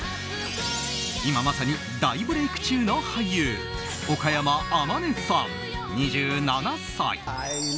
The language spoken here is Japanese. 今まさに大ブレーク中の俳優岡山天音さん、２７歳。